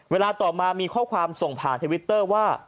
เวลาต่อมามีข้อความส่งผ่านทวิตเตอร์ว่า